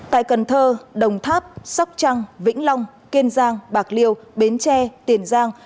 tại cần thơ đồng tháp sóc trăng vĩnh long kiên giang bạc liêu bến tre tiền giang